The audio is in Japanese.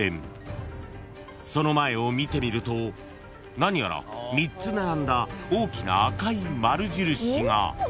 ［その前を見てみると何やら３つ並んだ大きな赤い丸印が］